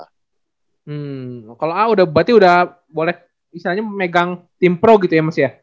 hmm kalau a udah berarti udah boleh misalnya memegang team pro gitu ya mas ya